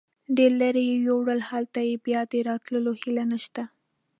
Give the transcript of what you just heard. ډېر لرې یې یوړل، هلته چې بیا د راتلو هیله نشته.